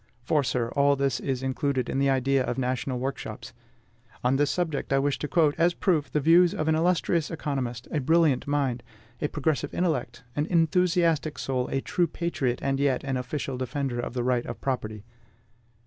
For, sir, all this is included in the idea of national workshops. On this subject I wish to quote, as proof, the views of an illustrious economist, a brilliant mind, a progressive intellect, an enthusiastic soul, a true patriot, and yet an official defender of the right of property.